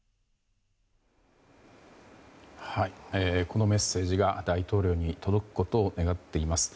このメッセージが大統領に届くことを願っています。